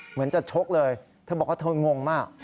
เหมือนจะชกเลยเธอบอกว่าเธองงมาก